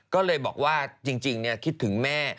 ก็เลยบอกว่าจริงคิดถึงแม่